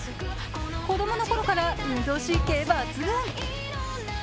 子供のころから運動神経抜群。